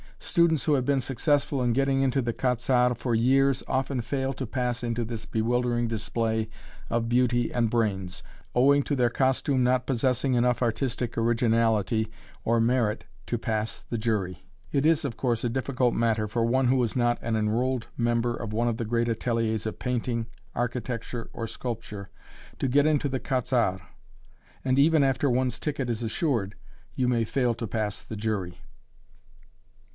Students who have been successful in getting into the "Quat'z' Arts" for years often fail to pass into this bewildering display of beauty and brains, owing to their costume not possessing enough artistic originality or merit to pass the jury. [Illustration: (coiffeur sign)] It is, of course, a difficult matter for one who is not an enrolled member of one of the great ateliers of painting, architecture, or sculpture to get into the "Quat'z' Arts," and even after one's ticket is assured, you may fail to pass the jury.